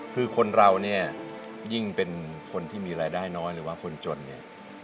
คือคนเราเนี่ยยิ่งเป็นคนที่มีรายได้น้อยหรือว่าคนจนเนี่ย